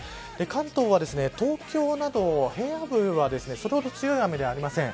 関東は東京など平野部はそれほど強い雨ではありません。